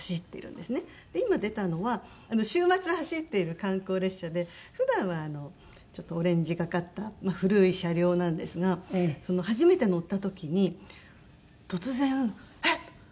今出たのは週末走っている観光列車で普段はちょっとオレンジがかった古い車両なんですが初めて乗った時に突然えっ！